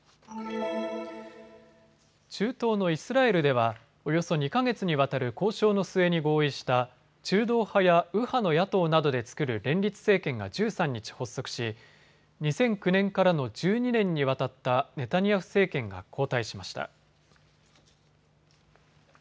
中東のイスラエルではおよそ２か月にわたる交渉の末に合意した中道派や右派の野党などで作る連立政権が１３日、発足し２００９年からの１２年にわたったネタニヤフ政権が交代しました。